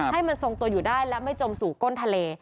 ให้มันทรงตัวอยู่ได้และไม่จมสู่ก้นทะเล